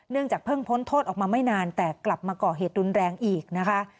จากเพิ่งพ้นโทษออกมาไม่นานแต่กลับมาก่อเหตุรุนแรงอีกนะคะ